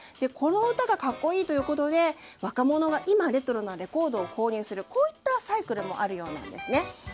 この歌が格好いいということで若者が今、レトロなレコードを購入する、こういったサイクルもあるようなんですね。